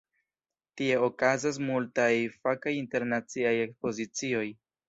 Tie okazas multaj fakaj internaciaj ekspozicioj.